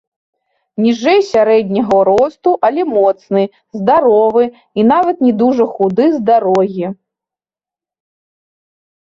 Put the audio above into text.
Ніжэй сярэдняга росту, але моцны, здаровы, і нават не дужа худы з дарогі.